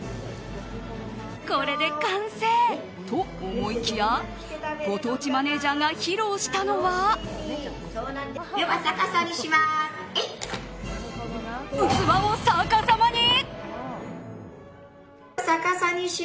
これで完成と思いきやご当地マネジャーが披露したのは器を逆さまに！